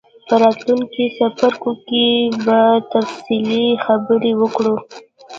په راتلونکو څپرکو کې به تفصیلي خبرې وکړو.